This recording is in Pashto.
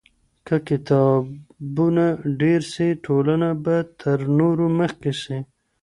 که کتابونه ډېر سي ټولنه به تر نورو مخکې سي.